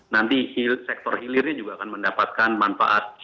nanti sektor hilirnya juga akan mendapatkan manfaat